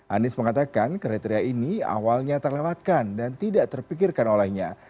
anies mengatakan kriteria ini awalnya terlewatkan dan tidak terpikirkan olehnya